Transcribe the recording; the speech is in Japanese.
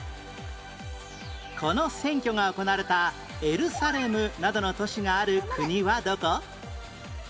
この選挙が行われたエルサレムなどの都市がある国はどこ？